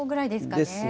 ですね。